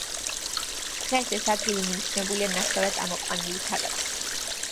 დღეს ეს ადგილი მინიშნებულია ნახევრად ამოყვანილი თაღებით.